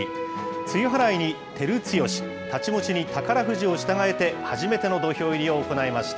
露払いに照強、太刀持ちに宝富士を従えて、初めての土俵入りを行いました。